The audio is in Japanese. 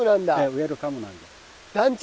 ウェルカムなんです。